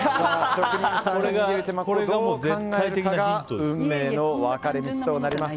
職人さんの手間をどう考えるかが運命の分かれ道となります。